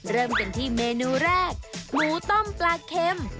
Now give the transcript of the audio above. เริ่มกันที่เมนูแรกหมูต้มปลาเค็ม